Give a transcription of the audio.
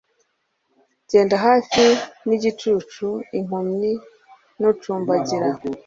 Genda hafi nigicucu impumyi nucumbagira